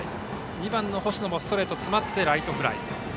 ２番、星野もストレートに詰まりライトフライ。